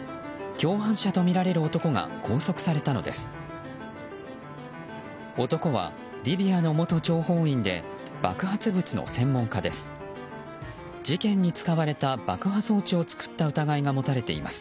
共犯者とみられる男が拘束されたのです。